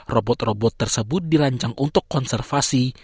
robot robot tersebut dirancang untuk konservasi